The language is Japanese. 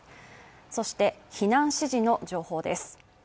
そして、避難指示の情報です。